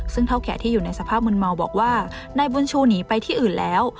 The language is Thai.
ซึ่งเท่าแก่ที่อยู่ในสภาพมืนเมาบอกว่านายบุญชูหนีไปที่อื่นแล้ว